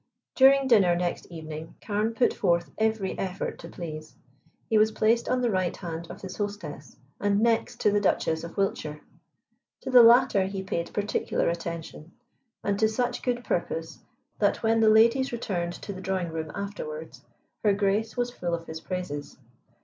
During dinner next evening Carne put forth every effort to please. He was placed on the right hand of his hostess and next to the Duchess of Wiltshire. To the latter he paid particular attention, and to such good purpose that when the ladies returned to the drawing room afterwards, Her Grace was full of his praises.